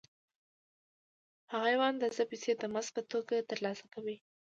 هغه یوه اندازه پیسې د مزد په توګه ترلاسه کوي